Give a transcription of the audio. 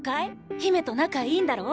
姫と仲いいんだろう？